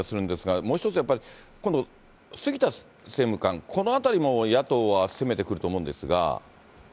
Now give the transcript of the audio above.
もう一つ、やっぱり今度、杉田政務官、このあたりも野党は攻めてくると思うんですが。